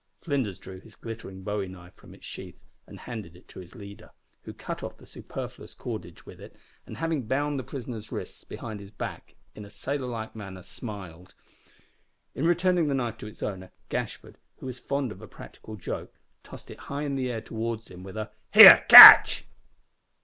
Flinders drew his glittering bowie knife from its sheath and handed it to his leader, who cut off the superfluous cordage with it, after having bound the prisoner's wrists behind his back in a sailor like manner. In returning the knife to its owner, Gashford, who was fond of a practical joke, tossed it high in the air towards him with a "Here, catch."